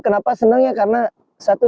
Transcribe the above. kenapa senang karena satu